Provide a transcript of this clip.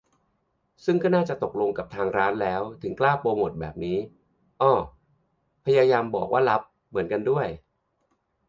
ซึ่งก็น่าจะตกลงกับทางร้านแล้ว ถึงกล้าโปรโมตแบบนี้ อ้อ พยายามบอกว่า "ลับ" เหมือนกันด้วย